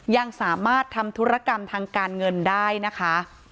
ยังสามารถทำธุรกรรมทางการเงินได้นะคะ